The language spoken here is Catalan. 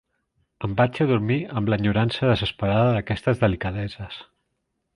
Em vaig adormir amb l'enyorança desesperada d'aquestes delicadeses .